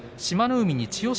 海、千代翔